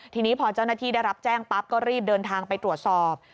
ทีนี้พอเจ้าหน้าที่ได้รับแจ้งปั๊บก็รีบเดินทางไปตรวจสอบ